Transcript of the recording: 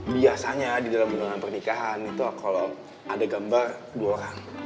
biasanya di dalam bendungan pernikahan itu kalau ada gambar dua orang